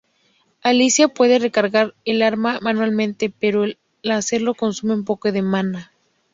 Alicia puede recargar el arma manualmente pero, al hacerlo, consume un poco de maná.